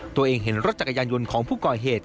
เห็นรถจักรยานยนต์ของผู้ก่อเหตุ